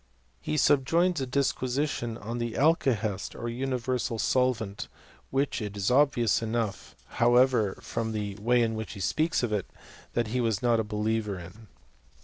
He sub joins a disquisition on the alcahest or universal sol vent, which it is obvious enough, howevet, (torn *i^% 216 BISTORT OF CHEMISTRY. way in which he speaks of it, that he was not a be* liever in.